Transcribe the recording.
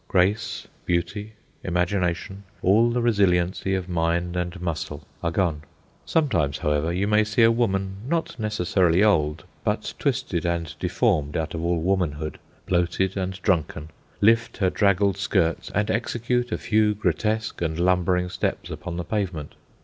Grace, beauty, imagination, all the resiliency of mind and muscle, are gone. Sometimes, however, you may see a woman, not necessarily old, but twisted and deformed out of all womanhood, bloated and drunken, lift her draggled skirts and execute a few grotesque and lumbering steps upon the pavement.